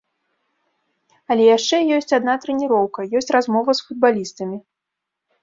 Але яшчэ ёсць адна трэніроўка, ёсць размова з футбалістамі.